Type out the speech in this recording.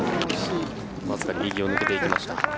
わずかに右を抜けていきました。